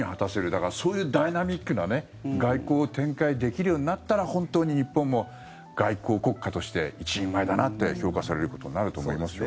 だからそういうダイナミックな外交を展開できるようになったら本当に日本も外交国家として一人前だなって評価されることになると思いますよ。